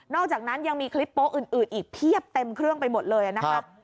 อกจากนั้นยังมีคลิปโป๊ะอื่นอีกเพียบเต็มเครื่องไปหมดเลยนะคะ